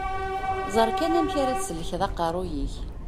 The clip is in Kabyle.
Ẓer kan amek ara tesselkeḍ aqqerruy-ik.